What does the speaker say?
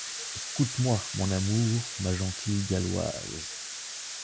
Escoute-moi, mon amour, ma gentille galloise.